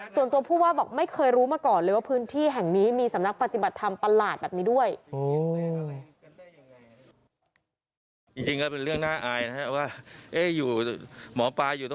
ส่วนตัวผู้ว่าไม่เคยรู้มาก่อนเลย